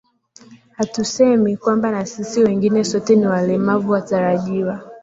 hatusemi kwamba na sisi wengine sote ni walemavu watarajiwa